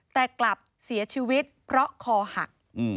แต่กลับเสียชีวิตเพราะคอหัก